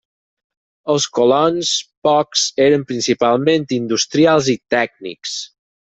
Els colons, pocs, eren principalment industrials i tècnics.